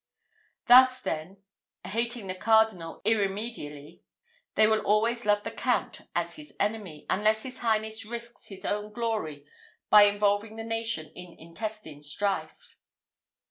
Thus then, hating the Cardinal irremediably, they will always love the Count as his enemy, unless his highness risks his own glory by involving the nation in intestine strife.